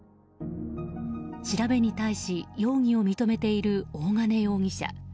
調べに対し容疑を認めている大金容疑者。